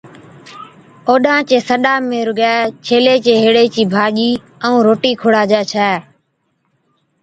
اوڏان چي سڏا ۾ رُگي ڇيلي چي ھيڙي چِي ڀاڄِي ائُون روٽِي کُڙاجي ڇَي